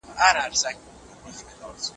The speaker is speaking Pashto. په کندهار کي د مېوو پروسس څنګه کېږي؟